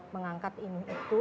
mengangkat inuh itu